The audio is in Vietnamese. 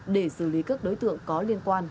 để xử lý các đối tượng có liên quan